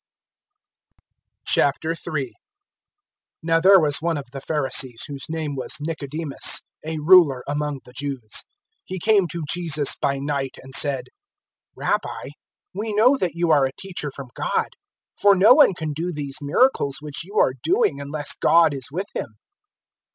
003:001 Now there was one of the Pharisees whose name was Nicodemus a ruler among the Jews. 003:002 He came to Jesus by night and said, "Rabbi, we know that you are a teacher from God; for no one can do these miracles which you are doing, unless God is with him.